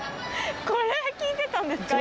これ聴いてたんですか？